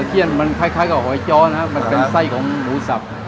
เขี้ยนมันคล้ายกับหอยจ้อนะครับมันเป็นไส้ของหมูสับ